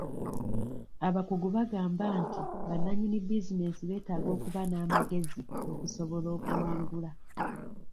Abakugu bagamba nti bannanyini bizinensi beetaaga okuba n'amagezi okusobola okuwangula.